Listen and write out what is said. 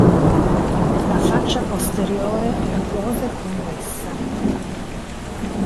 La "faccia posteriore" è rugosa e convessa.